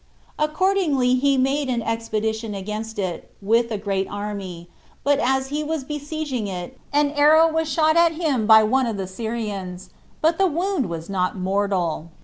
Accordingly he made an expedition against it, with a great army; but as he was besieging it, an arrow was shot at him by one of the Syrians, but the wound was not mortal.